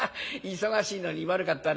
忙しいのに悪かったね。